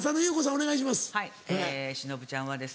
お願いします。